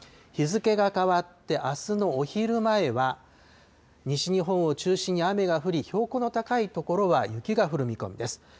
日付が変わってあすのお昼前は、西日本を中心に雨が降り、標高の高い所は雪が降る見込みです。